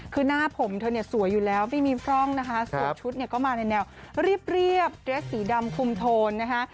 คือหน้าผมเธอเนี่ยสวยอยู่แล้วไม่มีพร่องนะคะส่วนชุดเนี่ยก็มาในแนวเรียบเรสสีดำคุมโทนนะคะ